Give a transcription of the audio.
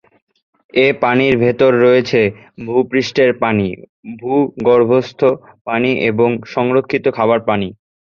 এই পানির ভেতর রয়েছে ভূপৃষ্ঠের পানি, ভূগর্ভস্থ পানি এবং সংরক্ষিত খাবার পানি।